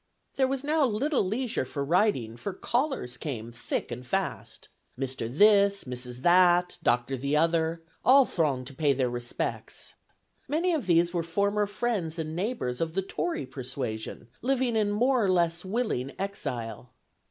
There was now little leisure for writing, for callers came thick and fast. Mr. This, Mrs. That, Dr. the Other, all thronged to pay their respects. Many of these were former friends and neighbors of the Tory persuasion, living in more or less willing exile.